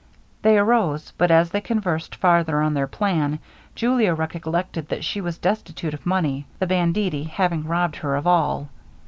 They arose, but as they conversed farther on their plan, Julia recollected that she was destitute of money the banditti having robbed her of all!